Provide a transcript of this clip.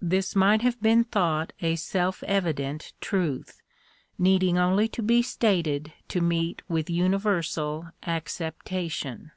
This might have been thought a self evident truth, needing only to be stated to meet with universal acceptation.